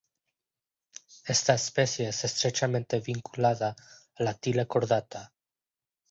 Esta especie es estrechamente vinculada a la tila cordata.